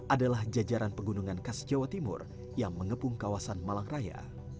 adalah jajaran pegunungan khas jawa timur yang mengepung kawasan malang raya